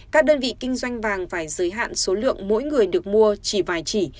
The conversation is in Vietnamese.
các đơn vị kinh doanh vàng phải giới hạn số lượng mỗi người được mua chỉ vài chỉ